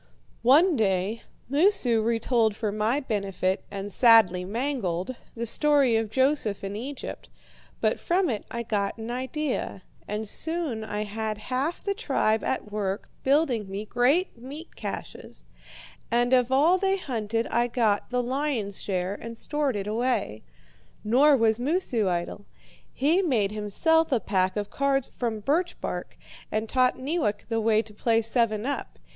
One day Moosu retold for my benefit, and sadly mangled, the story of Joseph in Egypt, but from it I got an idea, and soon I had half the tribe at work building me great meat caches. And of all they hunted I got the lion's share and stored it away. Nor was Moosu idle. He made himself a pack of cards from birch bark, and taught Neewak the way to play seven up.